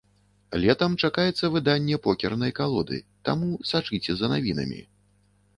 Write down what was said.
Летам чакаецца выданне покернай калоды, таму сачыце за навінамі!